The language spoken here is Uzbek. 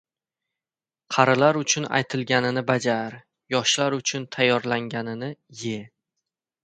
• Qarilar uchun aytilganini ― bajar, yoshlar uchun tayyorlanganini ― ye.